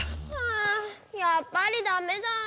あやっぱりダメだぁ。